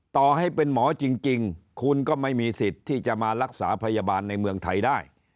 ต่อให้เป็นหมอจริงคุณก็ไม่มีสิทธิ์ที่จะมารักษาพยาบาลในเมืองไทยได้